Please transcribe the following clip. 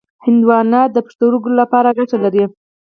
هندوانه د ګردو لپاره ګټه لري.